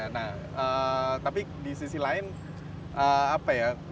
nah tapi di sisi lain apa ya